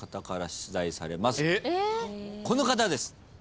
この方です！